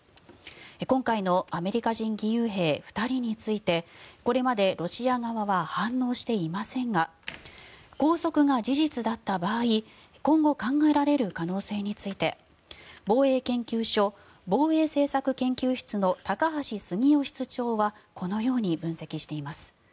今回のアメリカ人義勇兵２人についてこれまでロシア側は反応していませんが拘束が事実だった場合今後、考えられる可能性について防衛研究所防衛政策研究室の高橋杉雄室長はこのように分析しています。